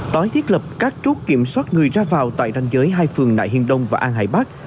tói thiết lập các trúc kiểm soát người ra vào tại đanh giới hai phường nại hiên đông và an hải bắc